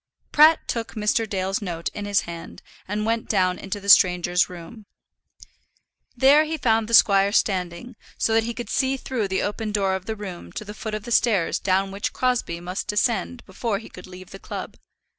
Pratt took Mr. Dale's note in his hand and went down into the stranger's room. There he found the squire standing, so that he could see through the open door of the room to the foot of the stairs down which Crosbie must descend before he could leave the club.